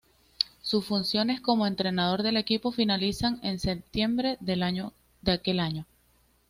Sus funciones como Entrenador del equipo finalizan en septiembre de aquel año.